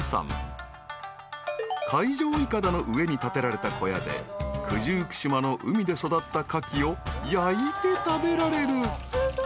［海上いかだの上に建てられた小屋で九十九島の海で育ったカキを焼いて食べられる］